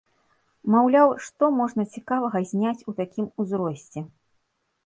Маўляў, што можна цікавага зняць у такім узросце?